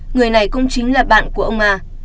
người này cũng chính là bạn của ông mà